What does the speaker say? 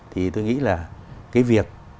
thì tôi nghĩ là cái việc